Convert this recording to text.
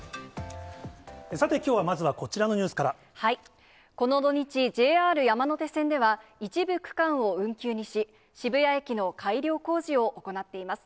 さて、きょうはまずはこちらこの土日、ＪＲ山手線では、一部区間を運休にし、渋谷駅の改良工事を行っています。